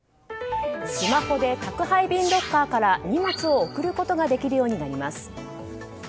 スマホで宅配便ロッカーから荷物を送ることができるようになります。